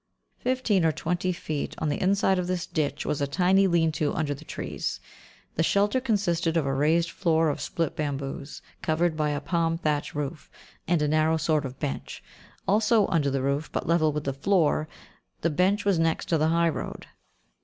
Fifteen or twenty feet on the inside of this ditch was a tiny lean to under the trees. The shelter consisted of a raised floor of split bamboos, covered by a palm thatch roof, and a narrow sort of bench, also under the roof, but level with the floor. The bench was next to the high road.